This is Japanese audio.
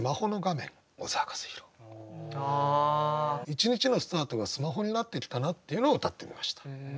一日のスタートがスマホになってきたなっていうのをうたってみました。